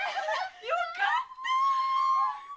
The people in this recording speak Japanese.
よかった！